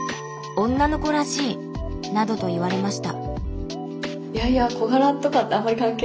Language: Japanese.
「女の子らしい」などと言われました。